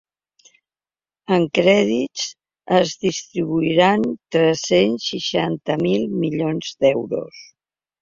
En crèdits, es distribuiran tres-cents seixanta mil milions d’euros.